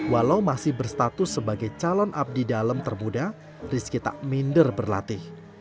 walau masih berstatus sebagai calon abdi dalam termuda rizky tak minder berlatih